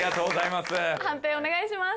判定お願いします。